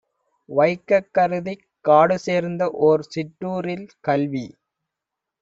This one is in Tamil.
வைக்கக் கருதிக் காடுசேர்ந்த ஓர் சிற்றூரில் கல்வி